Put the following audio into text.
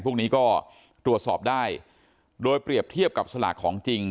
พวกนี้ก็ตรวจสอบได้โดยเปรียบเทียบกับสลากของจริง